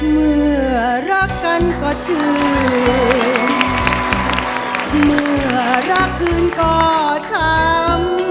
เมื่อรักกันก็เชื่อเมื่อรักคืนก็ช้ำ